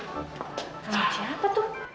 rambut siapa tuh